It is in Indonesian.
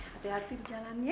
hati hati di jalan ya